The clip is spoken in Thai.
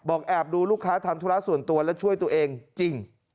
แอบดูลูกค้าทำธุระส่วนตัวและช่วยตัวเองจริง